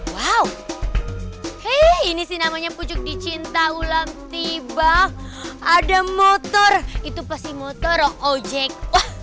wow hei ini sih namanya pucuk dicinta ulang tiba ada motor itu pasti motor ojek